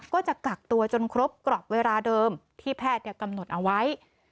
ก็จะกักตัวจนครบกรอบเวลาเดิมที่แพทย์กำหนดเอาไว้